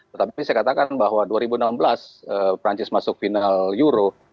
tetapi saya katakan bahwa dua ribu enam belas perancis masuk final euro